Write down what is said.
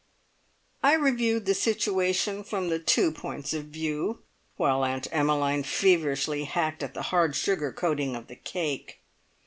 I reviewed the situation from the two points of view, the while Aunt Emmeline feverishly hacked at the hard sugar coating of the cake.